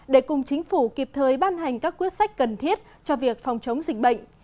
để cùng chính phủ kịp thời ban hành các quyết sách cần thiết cho việc phòng chống dịch bệnh